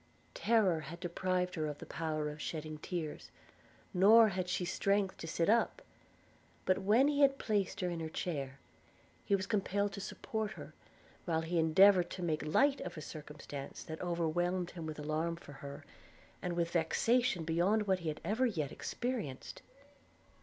Terror had deprived her of the power of shedding tears; nor had she strength to sit up: but when he had placed her in her chair, he was compelled to support her, while he endeavoured to make light of a circumstance that overwhelmed him with alarm for her, and with vexation beyond what he had ever yet experienced.